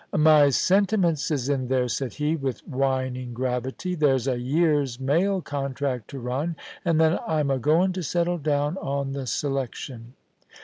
* My sentiments is in there,* said he, with whining gravity ;* there's a year's mail contract to run, and then I'm a goin' to settle down on the selection.'